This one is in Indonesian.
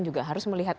juga harus melihat